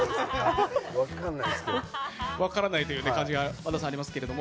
分からないという感じが、和田さん、ありますけど。